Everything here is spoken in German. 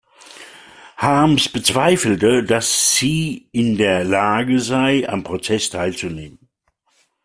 Harms bezweifelte, dass sie in der Lage sei, am Prozess teilzunehmen.